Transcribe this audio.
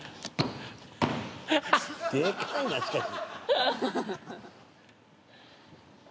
でかいなしかし。